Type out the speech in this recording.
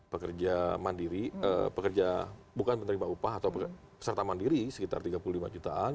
pekerja mandiri pekerja bukan penerima upah atau peserta mandiri sekitar tiga puluh lima jutaan